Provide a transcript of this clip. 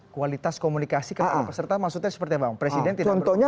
kualitas komunikasi kalau peserta maksudnya seperti apa bang presiden tidak bertemu